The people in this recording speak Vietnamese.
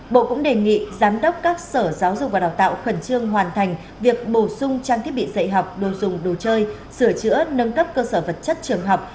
bộ cũng đề nghị giám đốc các sở giáo dục và đào tạo khẩn trương hoàn thành việc bổ sung trang thiết bị dạy học đồ dùng đồ chơi sửa chữa nâng cấp cơ sở vật chất trường học